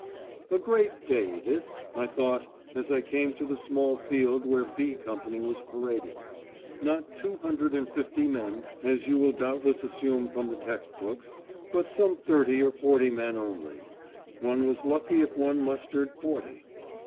"A great day, this," I thought, as I came to the small field where "B" Company was paraded; not two hundred and fifty men, as you will doubtless assume from the text books, but some thirty or forty men only; one was lucky if one mustered forty.